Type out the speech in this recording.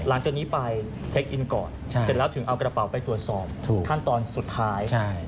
หลังจากนี้ไปเช็คอินก่อนเสร็จแล้วถึงเอากระเป๋าไปตรวจสอบขั้นตอนสุดท้าย